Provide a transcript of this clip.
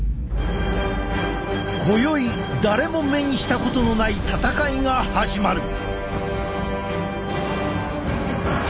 今宵誰も目にしたことのない戦いが始まる。